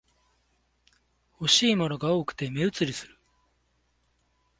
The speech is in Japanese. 欲しいものが多くて目移りする